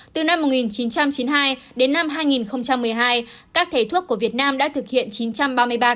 từ năm một nghìn chín trăm chín mươi hai đến năm hai nghìn một mươi hai các thể thuốc của việt nam đã thực hiện chín trăm ba mươi ba